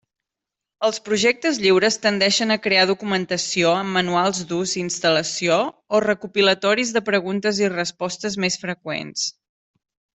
Els projectes lliures tendeixen a crear documentació amb manuals d'ús i instal·lació o recopilatoris de preguntes i respostes més freqüents.